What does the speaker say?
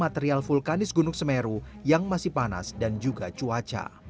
material vulkanis gunung semeru yang masih panas dan juga cuaca